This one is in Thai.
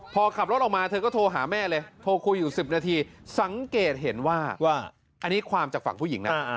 พอขับรถออกมาเธอก็โทรหาแม่เลยโทรคุยอยู่๑๐นาทีสังเกตเห็นว่าว่าอันนี้ความจากฝั่งผู้หญิงนะ